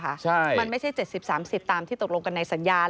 ใช่มันไม่ใช่๗๐๓๐ตามที่ตกลงกันในสัญญาณ